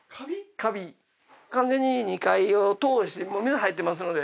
完全に２階を通してもう水入ってますので。